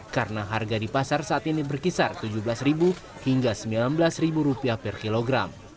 karena harga di pasar saat ini berkisar rp tujuh belas hingga rp sembilan belas per kilogram